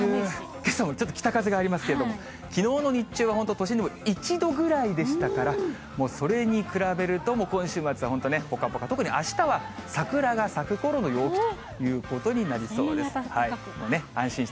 けさも北風がありますけれども、きのうの日中は本当都心でも１度ぐらいでしたから、もうそれに比べると今週末は本当にね、ぽかぽか、特にあしたは桜が咲くころの陽気ということになりそうです。